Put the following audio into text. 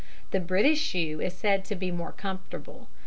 The British shoe is said to be more comfortable.